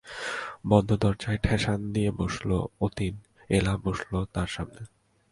বন্ধ দরজায় ঠেসান দিয়ে বসল অতীন, এলা বসল তার সামনে।